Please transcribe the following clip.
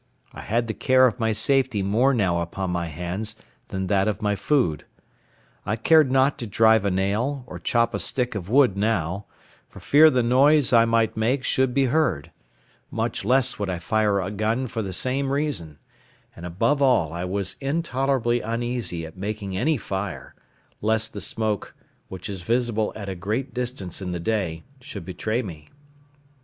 I had the care of my safety more now upon my hands than that of my food. I cared not to drive a nail, or chop a stick of wood now, for fear the noise I might make should be heard: much less would I fire a gun for the same reason: and above all I was intolerably uneasy at making any fire, lest the smoke, which is visible at a great distance in the day, should betray me.